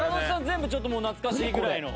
全部ちょっともう懐かしいぐらいの？